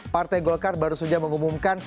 partai golkar baru saja mengumumkan